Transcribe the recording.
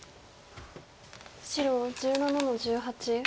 白１７の十八ハネ。